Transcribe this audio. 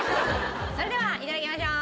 それではいただきましょう。